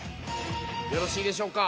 よろしいでしょうか？